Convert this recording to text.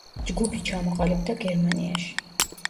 ჯგუფი ჩამოყალიბდა გერმანიაში.